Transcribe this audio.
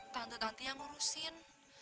tante tante yang ngurusin